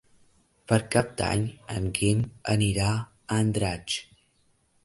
Per Cap d'Any en Guim anirà a Andratx.